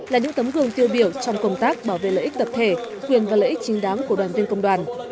là những tấm gương tiêu biểu trong công tác bảo vệ lợi ích tập thể quyền và lợi ích chính đáng của đoàn viên công đoàn